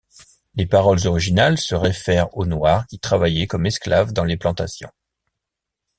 Les paroles originales se réfèrent aux noirs qui travaillaient comme esclaves dans les plantations.